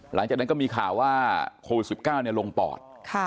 หลังจากนั้นก็มีข่าวว่าโควิด๑๙ลงปอด